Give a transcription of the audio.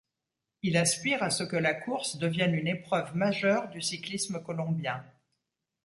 Il aspire à ce que la course devienne une épreuve majeure du cyclisme colombien.